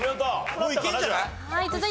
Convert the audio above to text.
もういけるんじゃない？